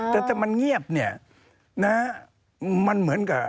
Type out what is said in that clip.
แต่ถ้ามันเงียบเนี่ยนะมันเหมือนกับ